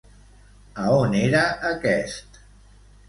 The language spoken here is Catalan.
A on era aquest?